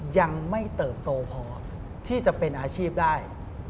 ยังไม่เติบโตพอที่จะเป็นอาชีพได้